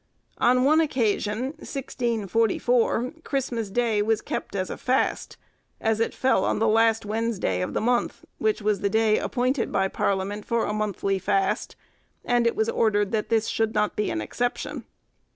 On one occasion, 1644, Christmas Day was kept as a fast, as it fell on the last Wednesday of the month, which was the day appointed by parliament for a monthly fast, and it was ordered that this should not be an exception.